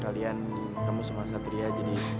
kalian kamu semua satria jadi